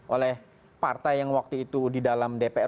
oleh partai yang waktu itu di dalam dpr